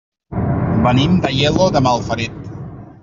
Venim d'Aielo de Malferit.